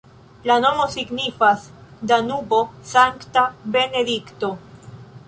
La nomo signifas Danubo-Sankta Benedikto.